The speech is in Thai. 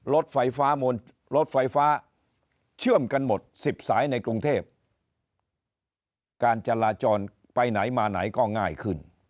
รถไฟฟ้าเชื่อมกันหมด๑๐สายในกรุงเทพการจราจรไปไหนมาไหนก็ง่ายขึ้น